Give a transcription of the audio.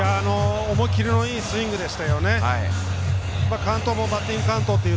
思い切りのいいスイングでしたよね。